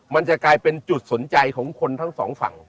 มันจะกลายเป็นจุดสนใจของคนทั้งสองฝั่ง